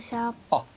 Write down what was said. あっ。